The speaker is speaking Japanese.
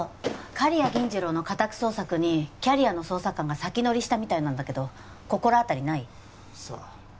刈谷銀次郎の家宅捜索にキャリアの捜査官が先乗りしたみたいなんだけど心当たりない？さあ。